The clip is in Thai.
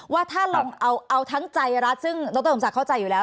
ว่าถ้าเราเอาทั้งใจสังพัายนรัฐซึ่งนักต้นสมศักดิ์เข้าใจอยู่แล้ว